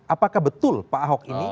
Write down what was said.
apakah betul pak ahok ini